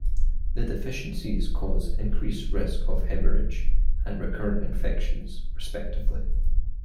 The deficiencies cause increased risk of hemorrhage and recurrent infections, respectively.